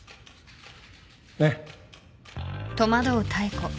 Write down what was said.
ねっ？